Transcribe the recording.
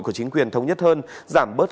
của chính quyền thống nhất hơn giảm bớt